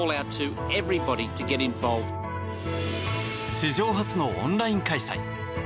史上初のオンライン開催。